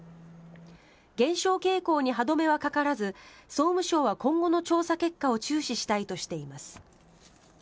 減少傾向に歯止めはかからず総務省は今後の調査結果を注視したいとしています。